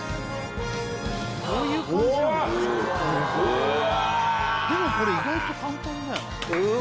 うわ！